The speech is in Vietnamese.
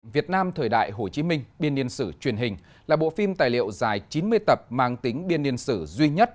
việt nam thời đại hồ chí minh biên niên sử truyền hình là bộ phim tài liệu dài chín mươi tập mang tính biên niên sử duy nhất